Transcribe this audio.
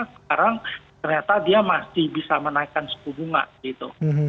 sekarang ternyata dia masih bisa menaikkan suku bunga gitu